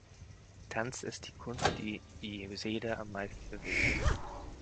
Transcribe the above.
Tanz ist die Kunst, die die Seele am meisten bewegt.